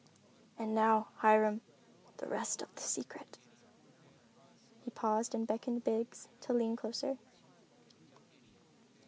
"And now, Hiram, the rest of the secret." He paused and beckoned Biggs to lean closer.